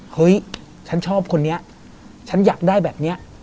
เฮ้ยฉันชอบคนนี้ฉันอยากได้แบบนี้